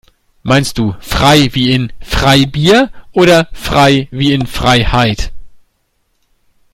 Meinst du frei wie in Freibier oder frei wie in Freiheit?